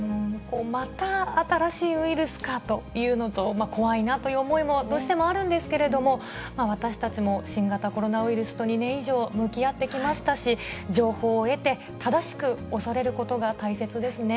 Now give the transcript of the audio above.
また新しいウイルスかというのと、怖いなという思いも、どうしてもあるんですけれども、私たちも新型コロナウイルスと２年以上、向き合ってきましたし、情報を得て、正しく恐れることが大切ですね。